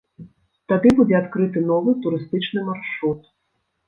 Тады будзе адкрыты новы турыстычны маршрут.